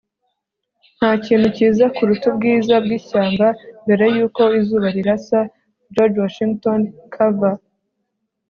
nta kintu cyiza kuruta ubwiza bw'ishyamba mbere yuko izuba rirasa. - george washington carver